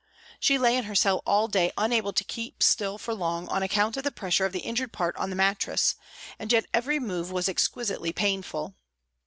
She lay in her cell all day unable to keep still for long on account of the pressure of the injured part on the mattress, and yet every move was exquisitely painful.